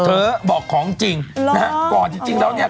เธอบอกของจริงหรอก่อนจริงจริงแล้วเนี้ย